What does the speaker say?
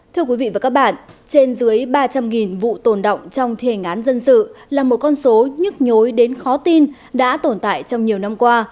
thưa quý vị và các bạn trên dưới ba trăm linh vụ tồn động trong thi hành án dân sự là một con số nhức nhối đến khó tin đã tồn tại trong nhiều năm qua